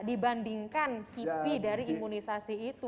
dibandingkan kipi dari imunisasi itu